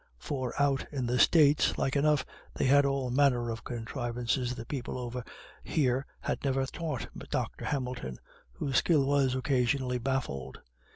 "For out in the States, like enough, they had all manner of contrivances the people over here had never taught Dr. Hamilton," whose skill was occasionally baffled.